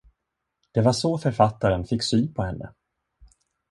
Det var så författaren fick syn på henne.